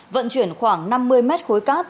vận chuyển khoảng năm mươi mét khối cát